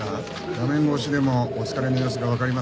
画面越しでもお疲れの様子がわかりますよ。